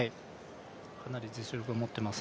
かなり実力を持っています。